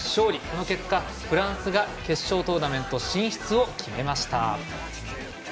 この結果、フランスが決勝トーナメント進出を決めました。